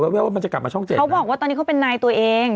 เขาบอกว่าตอนนี้เขาเป็นนายตัวเอง